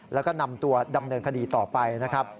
แล้วก็นำตัวดำเนินคดีต่อไปนะครับ